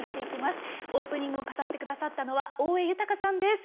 オープニングを飾って下さったのは大江裕さんです。